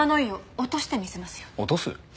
落とす？